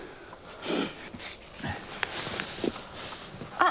あっ！